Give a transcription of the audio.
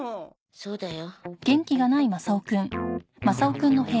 そうだよ。